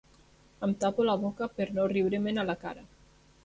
Em tapo la boca per no riure-me'n a la cara.